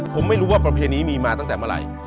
ผมไม่รู้ว่าประเพณีมีมาตั้งแต่เมื่อไหร่